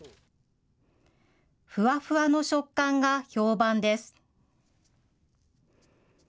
ふわふわの食感が評判です。